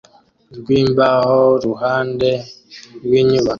rwimbaho kuruhande rwinyubako